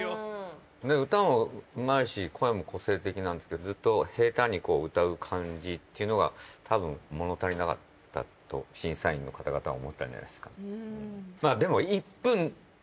歌もうまいし声も個性的なんですけどずっと平たんに歌う感じっていうのがたぶん物足りなかったと審査員の方々も思ったんじゃないですか。